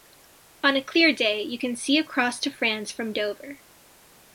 On a clear day you can see across to France from Dover.